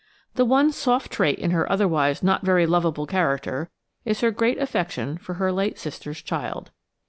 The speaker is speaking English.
The one soft trait in her otherwise not very lovable character is her great affection for her late sister's child.